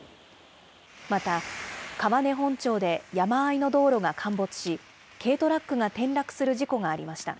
また、川根本町で山あいの道路が陥没し、軽トラックが転落する事故がありました。